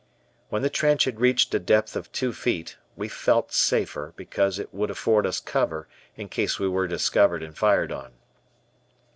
When the trench had reached a depth of two feet, we felt safer, because it would afford us cover in case we were discovered and fired on.